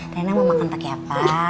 tehna mau makan pakai apa